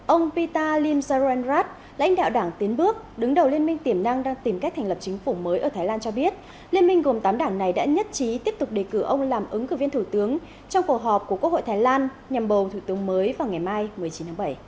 ông pita lim saren rad lãnh đạo đảng tiến bước đứng đầu liên minh tiềm năng đang tìm cách thành lập chính phủ mới ở thái lan cho biết liên minh gồm tám đảng này đã nhất trí tiếp tục đề cử ông làm ứng cử viên thủ tướng trong cuộc họp của quốc hội thái lan nhằm bầu thủ tướng mới vào ngày mai một mươi chín tháng bảy